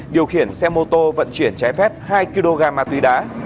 điều khiển xe mô tô vận chuyển trái phép hai kg ma túy đá